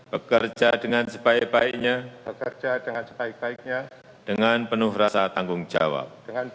bekerja dengan sebaik baiknya dengan penuh rasa tanggung jawab